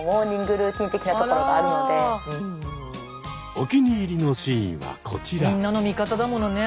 お気に入りのシーンはこちら。